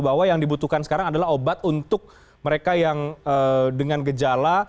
bahwa yang dibutuhkan sekarang adalah obat untuk mereka yang dengan gejala